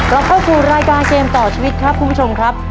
เราเข้าสู่รายการเกมต่อชีวิตครับคุณผู้ชมครับ